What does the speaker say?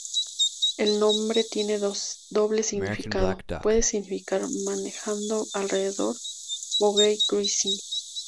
El nombre tiene doble significado: puede significar manejando alrededor o gay cruising.